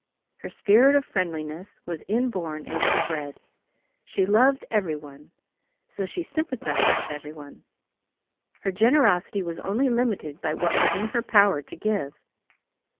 Her spirit of friendliness was inborn and inbred. She loved everyone, so she sympathized with everyone. Her generosity was only limited by what was in her power to give.